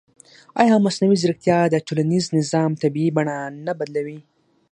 ایا مصنوعي ځیرکتیا د ټولنیز نظم طبیعي بڼه نه بدلوي؟